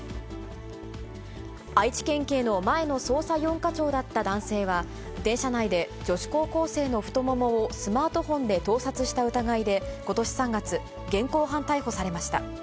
愛知県警の前の捜査４課長だった男性は、電車内で女子高校生の太ももをスマートフォンで盗撮した疑いでことし３月、現行犯逮捕されました。